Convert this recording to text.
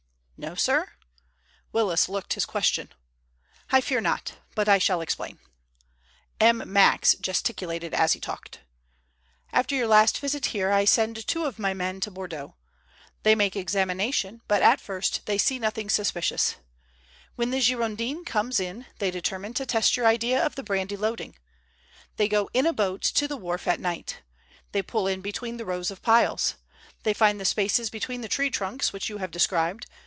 "No, sir?" Willis looked his question. "I fear not. But I shall explain," M. Max gesticulated as he talked. "After your last visit here I send two of my men to Bordeaux. They make examination, but at first they see nothing suspicious. When the Girondin comes in they determine to test your idea of the brandy loading. They go in a boat to the wharf at night. They pull in between the rows of piles. They find the spaces between the tree trunks which you have described.